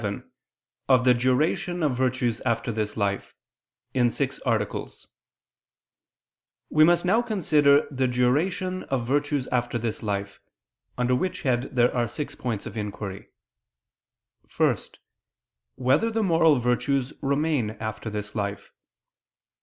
________________________ QUESTION 67 OF THE DURATION OF VIRTUES AFTER THIS LIFE (In Six Articles) We must now consider the duration of virtues after this life, under which head there are six points of inquiry: (1) Whether the moral virtues remain after this life?